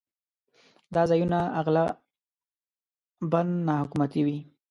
دا ځایونه اغلباً ناحکومتي وي.